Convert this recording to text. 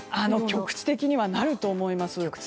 局地的にはなると思います。